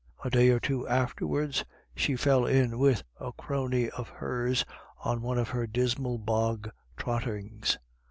A day or two afterwards, she fell in with a crony of hers on one of her dismal bog trottings.